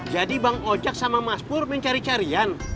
jadi bang ojak sama mas pur mencari carian